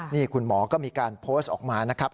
นี่คุณหมอก็มีการโพสต์ออกมานะครับ